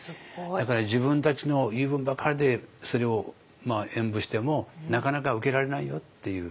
だから自分たちの言い分ばかりでそれを演舞してもなかなか受け入れられないよっていう。